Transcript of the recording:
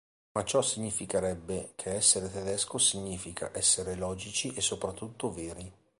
Ma ciò significherebbe che essere tedesco significa essere logici e soprattutto veri.